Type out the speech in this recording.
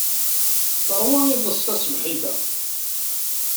Teṛwa iḍes taṣebḥit-a.